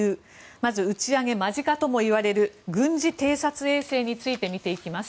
まず、打ち上げ間近ともいわれる軍事偵察衛星について見ていきます。